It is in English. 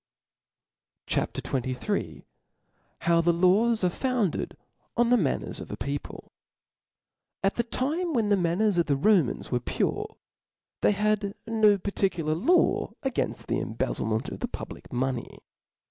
CHAP. XXlil. How the Laws are founded on the Manners of a People. A T the time when the manners of the Rb *^ mans were pure, they had ho particular laW 'againft the embezzlement of the publk monej^.